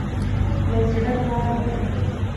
له زړۀ کار وکړه.